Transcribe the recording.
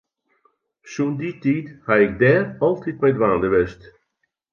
Sûnt dy tiid ha ik dêr altyd mei dwaande west.